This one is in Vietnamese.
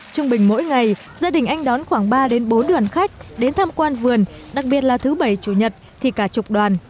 trung bình mỗi ngày gia đình anh đón khoảng ba bốn đoàn khách đến tham quan vườn đặc biệt là thứ bảy chủ nhật thì cả chục đoàn